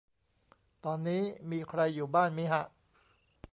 ตอนนี้มีใครอยู่บ้านมิฮะ